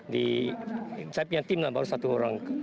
saya punya tim lah baru satu orang